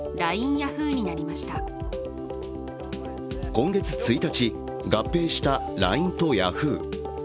今月１日、合併したＬＩＮＥとヤフー。